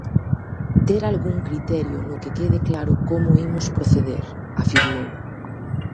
Ter algún criterio no que quede claro como imos proceder, afirmou.